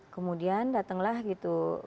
kemudian datanglah gitu